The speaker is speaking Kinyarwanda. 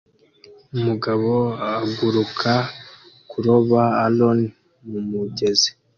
Umugabo araguruka kuroba Alon mumugezi